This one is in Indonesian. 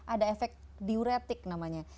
ada efek diuretik namanya